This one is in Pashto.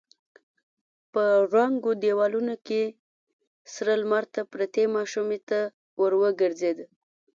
په ړنګو دېوالونو کې سره لمر ته پرتې ماشومې ته ور وګرځېد.